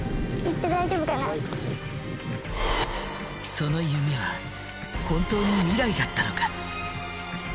その夢は本当に未来だったのか？